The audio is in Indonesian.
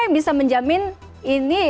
yang bisa menjamin ini